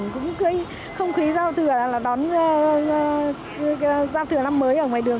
cũng không khí giao thừa là đón giao thừa năm mới ở ngoài đường